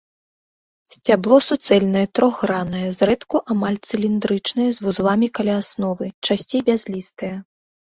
Сцябло суцэльнае, трохграннае, зрэдку амаль цыліндрычнае з вузламі каля асновы, часцей бязлістае.